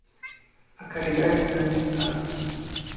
A caridade começa em casa.